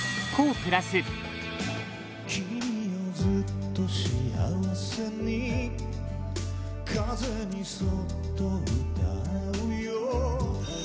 「君よずっと幸せに風にそっと歌うよ」